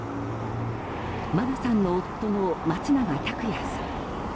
真菜さんの夫の松永拓也さん。